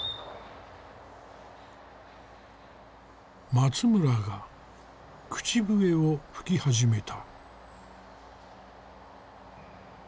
松村が口笛を吹き始めた。